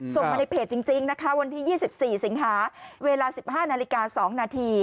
ส่งมาในเพจจริงนะคะวันที่๒๔สิงหาเวลา๑๕นาฬิกา๒นาที